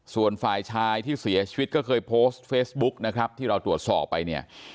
ส่วนฝ่ายชายที่เสียชีวิตก็เคยโพสต์เฟซบุ๊กนะครับที่เราตรวจสอบไปเนี่ย